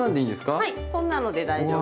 はいこんなので大丈夫。